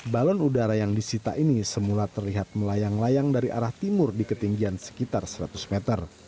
balon udara yang disita ini semula terlihat melayang layang dari arah timur di ketinggian sekitar seratus meter